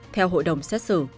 theo hội đồng xét xử